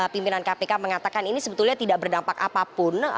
pimpinan kpk mengatakan ini sebetulnya tidak berdampak apapun